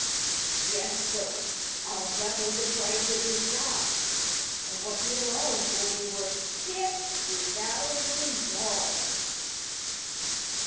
Yes, sir, I'll double the price of the stock, and what you own will be worth fifty thousand dollars!"